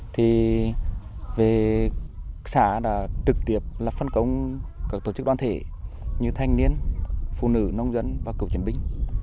thì xã đã trực tiếp phân công các tổ chức đoàn thể như thanh niên phụ nữ nông dân và cựu truyền binh